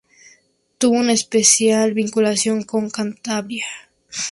Tuvo una especial vinculación con Cantabria.